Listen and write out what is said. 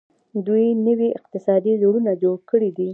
دوی نوي اقتصادي زونونه جوړ کړي دي.